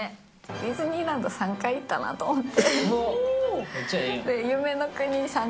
ディズニーランド３回行ったなと思って。